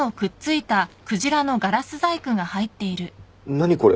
何これ。